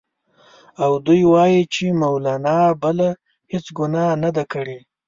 او دوی وايي چې مولنا بله هېڅ ګناه نه ده کړې.